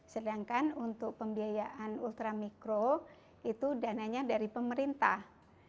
sedangkan untuk pembiayaan ultra mikro itu dananya dari pemerintah